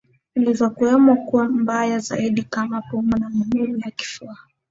zilizokuwepo kuwa mbaya zaidi kama pumu na maumivu ya kifua